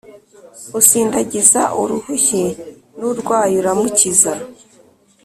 Usindagiza urushye, N'urway' uramukiza,